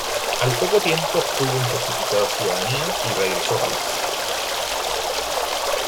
Al poco tiempo obtuvo un certificado de ciudadanía y regresó a París.